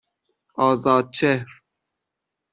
آزادچهر